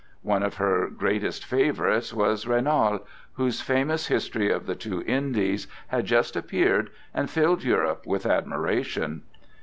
One of her greatest favorites was Raynal, whose famous History of the two Indies had just appeared and filled Europe with admiration.